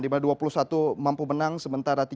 dimana dua puluh satu mampu menang sementara